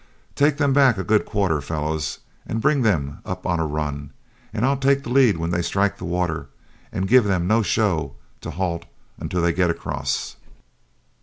Take them back a good quarter, fellows, and bring them up on a run, and I'll take the lead when they strike the water; and give them no show to halt until they get across."